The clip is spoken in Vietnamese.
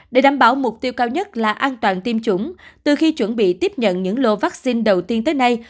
để đảm bảo mục tiêu cao nhất là an toàn tiêm chủng từ khi chuẩn bị tiếp nhận những lô vaccine đầu tiên tới nay